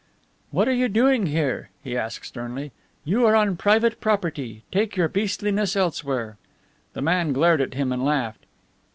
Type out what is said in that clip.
"What are you doing here?" he asked sternly. "You're on private property take your beastliness elsewhere." The man glared at him and laughed.